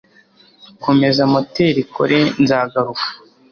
Komeza moteri ikore Nzagaruka